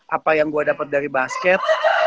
apa yang gue dapat dari basket